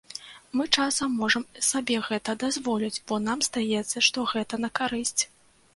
Мы часам можам сабе гэта дазволіць, бо нам здаецца, што гэта на карысць.